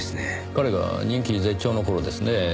彼が人気絶頂の頃ですねぇ。